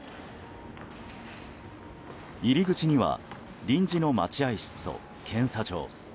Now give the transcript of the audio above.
入り口には臨時の待合室と検査場。